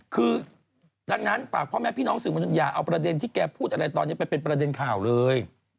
คือดังนั้นฝากพ่อแม่พี่น้องสื่อมวลชนอย่าเอาประเด็นที่แกพูดอะไรตอนนี้ไปเป็นประเด็นข่าวเลย